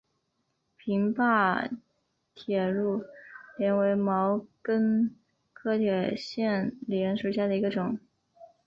平坝铁线莲为毛茛科铁线莲属下的一个种。